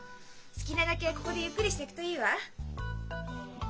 好きなだけここでゆっくりしていくといいわ。